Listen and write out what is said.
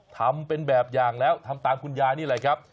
ทำเป็นแบบอย่างแล้วทำตามคุณยายนี่แหละครับ